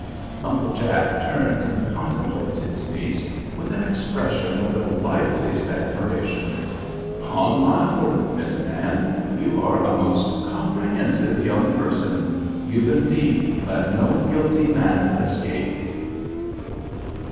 Uncle Jack turns and contemplates his niece with an expression of the liveliest admiration. "'Pon my word, Miss Nan, you are a most comprehensive young person. You've indeed let no guilty man escape."